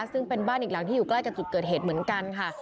ซึ่งเป็นบ้านอีกหลังที่อยู่ใกล้กับจุดเกิดเหตุเหมือนกันค่ะ